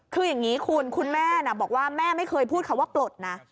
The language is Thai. คืออย่างนี้คุณคุณแม่บอกว่าแม่ไม่เคยพูดคำว่าปลดนะ